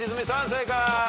正解。